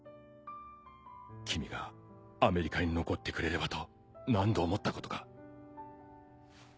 君がアメリカに残ってくれればと何度思ったことか。